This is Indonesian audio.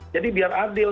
jadi biar adil